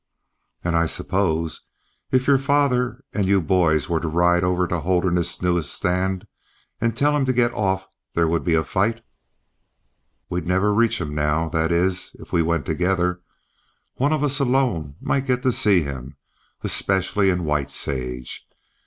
"And I suppose, if your father and you boys were to ride over to Holderness's newest stand, and tell him to get off there would be a fight." "We'd never reach him now, that is, if we went together. One of us alone might get to see him, especially in White Sage.